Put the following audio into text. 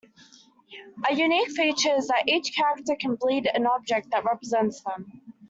A unique feature is that each character can "bleed" an object that represents them.